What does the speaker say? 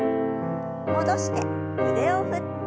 戻して腕を振って。